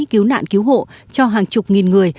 cứu nạn cứu hộ cho hàng chục nghìn người